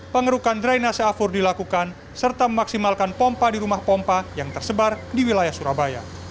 pengerukan drainase afur dilakukan serta memaksimalkan pompa di rumah pompa yang tersebar di wilayah surabaya